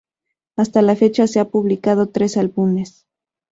Hasta la fecha, se han publicado tres álbumes.